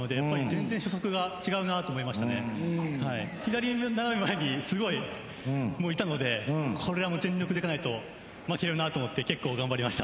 左斜め前にすごいいたのでこれは全力でいかないと負けるなぁと思って結構頑張りました。